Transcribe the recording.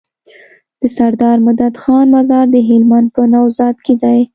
دسردار مدد خان مزار د هلمند په نوزاد کی دی